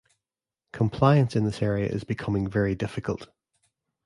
Compliance in this area is becoming very difficult.